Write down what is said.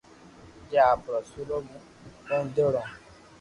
جي آپرو اسولو مون ٻوديوڙو